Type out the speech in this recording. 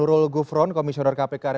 oleh pak buhori ada masalah dari